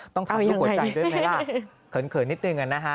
ต้องทำรูปหัวใจด้วยไหมล่ะเขินนิดนึงนะฮะ